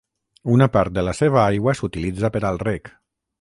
Una part de la seva aigua s'utilitza per al reg.